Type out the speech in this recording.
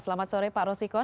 selamat sore pak rosikon